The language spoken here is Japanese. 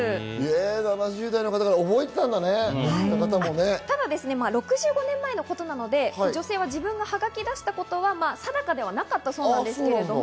７０代の方から連絡が来たんただ６５年前のことなので、女性が自分はハガキを出したことは定かではなかったんですけれども。